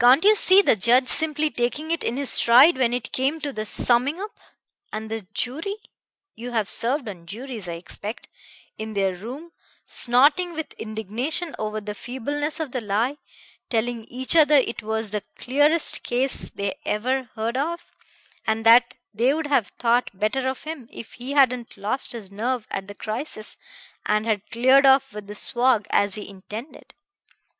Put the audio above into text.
Can't you see the judge simply taking it in his stride when it came to the summing up? And the jury you've served on juries, I expect in their room, snorting with indignation over the feebleness of the lie, telling each other it was the clearest case they ever heard of, and that they'd have thought better of him if he hadn't lost his nerve at the crisis, and had cleared off with the swag as he intended.